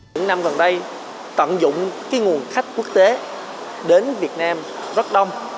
những năm gần đây tận dụng nguồn khách quốc tế đến việt nam rất đông